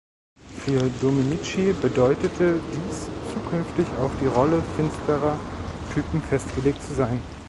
Für Dominici bedeutete dies, zukünftig auf die Rolle finsterer Typen festgelegt zu sein.